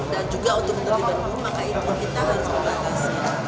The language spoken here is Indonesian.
dan juga untuk ketentuan maka itu kita harus membatasi